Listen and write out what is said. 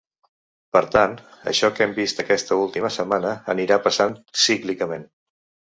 Per tant, això que hem vist aquesta última setmana anirà passant cíclicament.